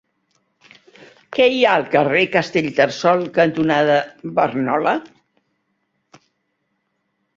Què hi ha al carrer Castellterçol cantonada Barnola?